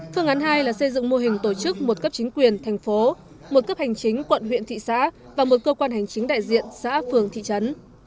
phương án hai là xây dựng mô hình tổ chức một cấp chính quyền thành phố một cấp hành chính quận huyện thị xã và một cơ quan hành chính đại diện xã phường thị trấn